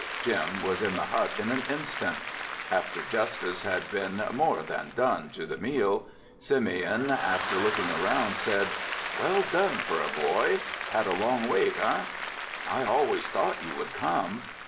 Jim was in the hut in an instant. After justice had been more than done to the meal, Simeon after looking around said, "Well done for a boy. Had a long wait, eh?" "I always thought you would come."